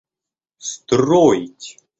строить